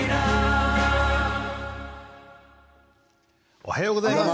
おはようございます。